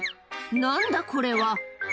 なんだこれは。